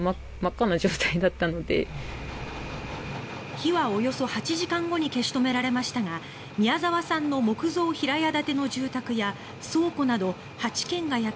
火はおよそ８時間後に消し止められましたが宮沢さんの木造平屋建ての住宅や倉庫など８軒が焼け